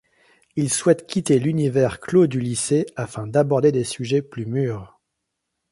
Ils souhaitent quitter l'univers clos du lycée, afin d'aborder des sujets plus mûrs.